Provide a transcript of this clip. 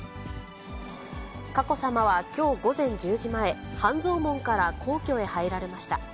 佳子さまはきょう午前１０時前、半蔵門から皇居へ入られました。